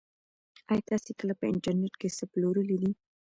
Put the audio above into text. ایا تاسي کله په انټرنيټ کې څه پلورلي دي؟